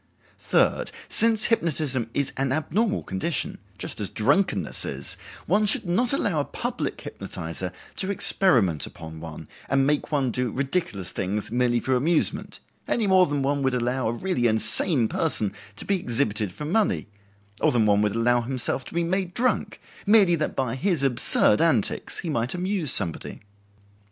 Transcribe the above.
Third, since hypnotism is an abnormal condition, just as drunkenness is, one should not allow a public hypnotizer to experiment upon one and make one do ridiculous things merely for amusement, any more than one would allow a really insane person to be exhibited for money; or than one would allow himself to be made drunk, merely that by his absurd antics he might amuse somebody.